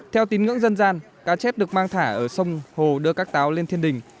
theo tín ngưỡng dân gian cá chép được mang thả ở sông hồ đưa các táo lên thiên đình